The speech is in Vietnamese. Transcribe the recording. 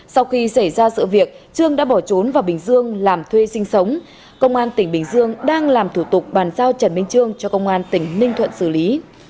sau khi xảy ra sự việc trương đã bỏ trốn vào bình dương làm thuê sinh sống công an tỉnh bình dương đang làm thủ tục bàn giao trần minh trương cho công an tỉnh ninh thuận xử lý